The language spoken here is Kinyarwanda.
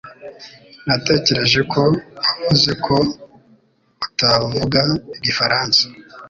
Natekereje ko wavuze ko utavuga igifaransa